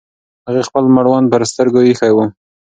هغې خپل مړوند پر سترګو ایښی و.